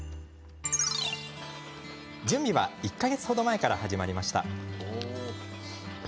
準備は、１か月程前から始まりました。